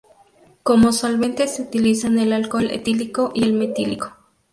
Como solventes se utilizan el alcohol etílico y el metílico.